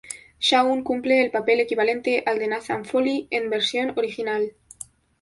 Shaun cumple el papel equivalente al de Nathan Foley en versión original.